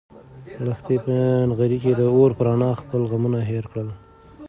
لښتې په نغري کې د اور په رڼا خپل غمونه هېر کړل.